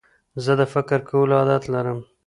زه د فکر کولو عادت لرم.